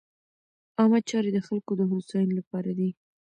عامه چارې د خلکو د هوساینې لپاره دي.